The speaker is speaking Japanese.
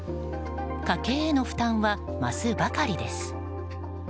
家計への負担は増すばかりです。